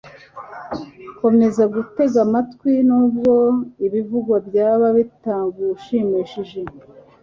Komeza gutega amatwi nubwo ibivugwa byaba bitagushimishije